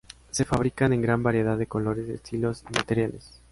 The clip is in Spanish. Se fabrican en gran variedad de colores, estilos y materiales.